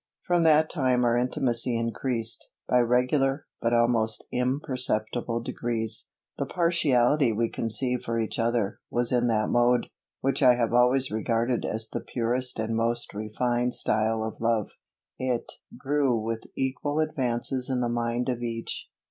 From that time our intimacy increased, by regular, but almost imperceptible degrees. The partiality we conceived for each other, was in that mode, which I have always regarded as the purest and most refined style of love. It grew with equal advances in the mind of each.